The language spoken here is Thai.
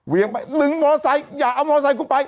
เวียงไปดึงมอเตอร์ไซค์อย่าเอามอเตอร์ไซค์ขึ้นไป